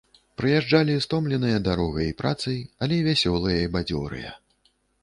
Прыязджалі стомленыя дарогай і працай, але вясёлыя і бадзёрыя.